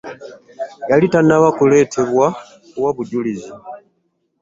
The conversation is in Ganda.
Yali tannaba kuleetebwa kuwa bujulizi.